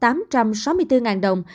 từ ngày chín tháng hai xuống mức ba triệu đồng